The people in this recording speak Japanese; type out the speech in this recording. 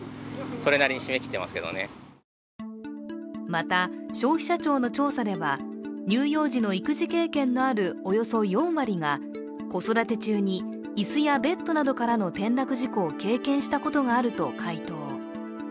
また、消費者庁の調査では、乳幼児の育児経験のあるおよそ４割が子育て中に椅子やベッドなどからの転落事故を経験したことがあると回答。